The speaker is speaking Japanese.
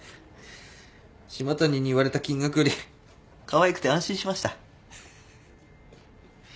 島谷に言われた金額よりかわいくて安心しました。